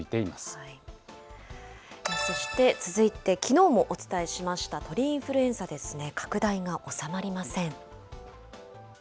そして、続いて、きのうもお伝えしました鳥インフルエンザですね、拡大が収まりません。